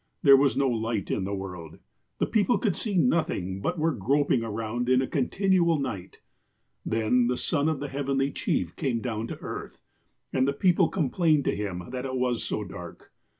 There was no light in the world. The people could see nothing, but were grop ing around in a continual night. Then, the sou of the Heavenly Chief came down to earth, and the people com plained to him that it was so dark.